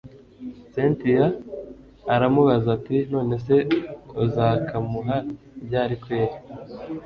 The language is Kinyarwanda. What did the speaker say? cyntia aramubaza ati nonese uzakamuha ryari kelli!